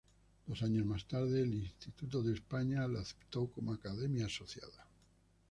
Dos años más tarde, el Instituto de España la aceptó como Academia Asociada.